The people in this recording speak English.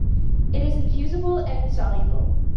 It is infusible and insoluble.